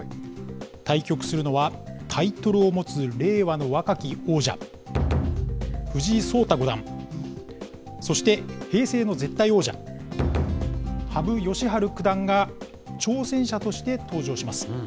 対局するのはタイトルを持つ令和の若き王者、藤井聡太五冠、そして平成の絶対王者、羽生善治九段が挑戦者として登場します。